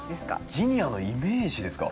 ジニアのイメージですか？